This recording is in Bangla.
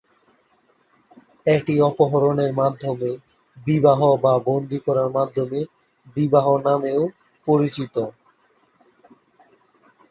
এটি অপহরণের মাধ্যমে বিবাহ বা বন্দী করার মাধ্যমে বিবাহ নামেও পরিচিত।